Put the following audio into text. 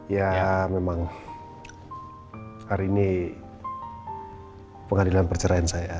ya memang hari ini pengadilan perceraian saya